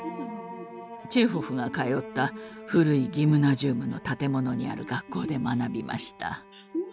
チェーホフが通った古いギムナジウムの建物にある学校で学びました。